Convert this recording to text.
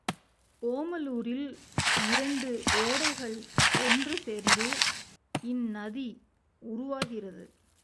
ஓமலூரில் இரண்டு ஓடைகள் ஒன்று சேர்ந்து இந்நதி உருவாகிறது.